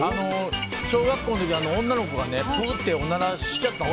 小学校の時、女の子がプーって、おならしちゃった。